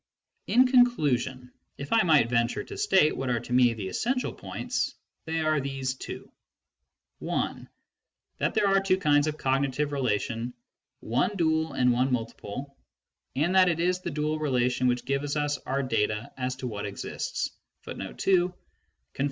In conclusion, if I might venture to state what are to me the essential points, they are these two : (1) that there are two kinds of cognitive relation, one dual and one multiple, and that it is the dual relation which gives us our data as to what exists ;^ (2) that ' "Ō¢Ā On the Relations of Universals and Particulars," Proc.